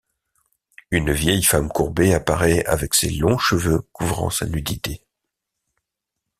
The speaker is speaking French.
Une vieille femme courbée apparaît avec ses longs cheveux couvrant sa nudité.